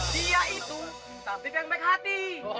dia itu tatip yang baik hati